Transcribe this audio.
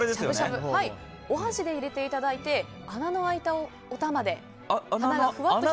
お箸で入れていただいて穴の開いたおたまで。